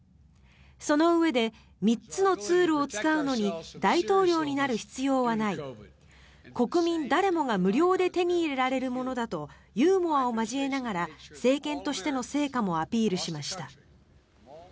そのうえで３つのツールを使うのに大統領になる必要はない国民誰もが無料で手に入れられるものだとユーモアを交えながら政権としての成果もアピールしました。